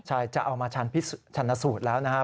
ใช่จะเอามาชันสูตรแล้วนะครับ